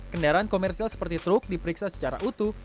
kendaraan komersial seperti truk diperiksa secara utuh